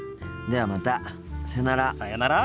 ではまたさよなら。